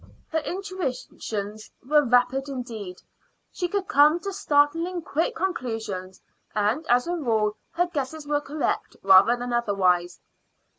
Her intuitions were rapid indeed; she could come to startlingly quick conclusions, and as a rule her guesses were correct rather than otherwise.